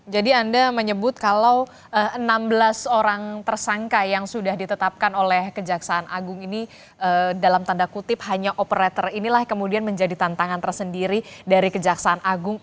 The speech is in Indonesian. jadi anda menyebut kalau enam belas orang tersangka yang sudah ditetapkan oleh kejaksaan agung ini dalam tanda kutip hanya operator inilah kemudian menjadi tantangan tersendiri dari kejaksaan agung